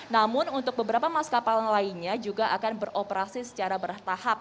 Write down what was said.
namun untuk beberapa maskapalan lainnya juga akan beroperasi secara bertahap